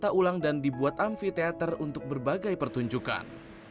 kita ulang dan dibuat amfiteater untuk berbagai pertunjukan